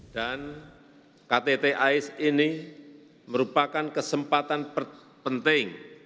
dan ktt ais ini merupakan kesempatan penting